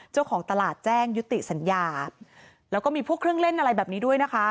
เจ้าของตลาดแจ้งยุติสัญญาแล้วก็มีพวกเครื่องเล่นอะไรแบบนี้ด้วยนะคะ